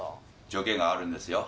条件があるんですよ。